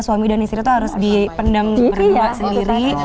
suami dan istri itu harus dipendam merindua sendiri